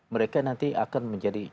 mereka nanti akan menjadi